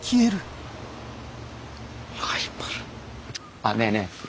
あっねえねえ